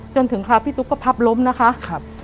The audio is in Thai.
คราวพี่ตุ๊กก็พับล้มนะคะ